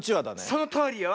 そのとおりよ。